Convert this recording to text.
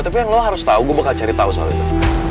tapi yang lu harus tau gue bakal cari tau soal itu